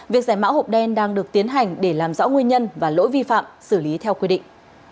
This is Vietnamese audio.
việc giải mã hộp đen đang được tiến hành để làm rõ nguyên nhân và lỗi vi phạm xử lý theo quy định